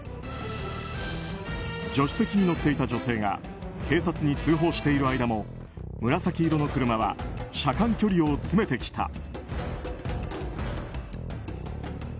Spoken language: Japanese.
助手席に乗っていた女性が警察に通報している間も紫色の車は車間距離を詰めてきた。